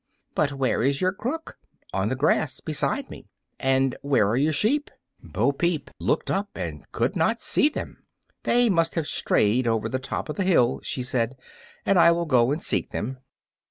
"But where is your crook?" "On the grass beside me." "And where are your sheep?" Bo Peep looked up and could not see them. "They must have strayed over the top of the hill," she said, "and I will go and seek them."